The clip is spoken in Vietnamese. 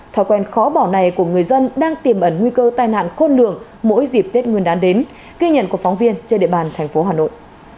thói quen khó bỏ này của người dân đang tìm ẩn nguy cơ tai nạn khôn lượng mỗi dịp tết nguyên đán đến ghi nhận của phóng viên trên địa bàn tp hà nội